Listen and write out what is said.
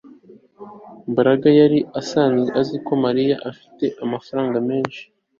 Mbaraga yari asanzwe azi ko Mariya afite amafaranga menshi